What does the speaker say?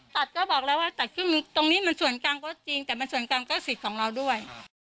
ตัดก็บอกแล้วว่าตัดครึ่งหนึ่งตรงนี้มันส่วนกลางก็จริงแต่มันส่วนกลางก็สิทธิ์ของเราด้วย